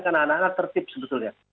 karena anak anak tertib sebetulnya